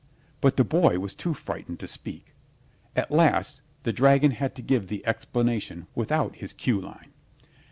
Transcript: but the boy was too frightened to speak. At last the dragon had to give the explanation without his cue line.